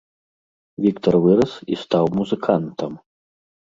Віктар вырас і стаў музыкантам.